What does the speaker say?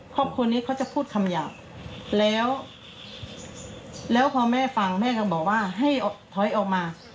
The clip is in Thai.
ครอบครัวนี้เขาจะพูดคำหยาบแล้วแล้วพอแม่ฟังแม่ก็บอกว่าให้ถอยออกมา